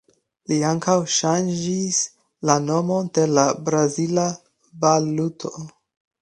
Li ankaŭ ŝanĝis la nomon de la brazila valuto.